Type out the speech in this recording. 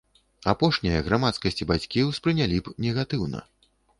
Апошняе грамадскасць і бацькі ўспрынялі б негатыўна.